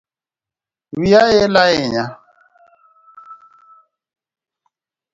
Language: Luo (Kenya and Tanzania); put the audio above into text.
Wiya ila ahinya